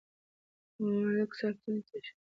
ملک صاحب تل تشې بادوي، کلیوال یې په خبرو باور کوي.